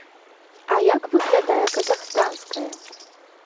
А як выглядае казахстанская?